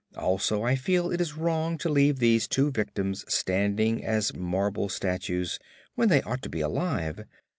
Also I feel it is wrong to leave those two victims standing as marble statues, when they ought to be alive.